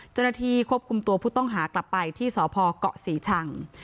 เจ้าหน้าที่ควบคุมตัวผู้ต้องหากลับไปที่สพเกาะศรีชัง